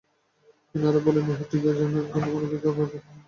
তিনি আরও বলেন ইহা ঠিকই যে কোন কোন হিন্দুর বিবাহ হয় খুব অল্প বয়সে।